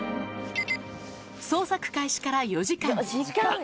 捜索開始から４時間。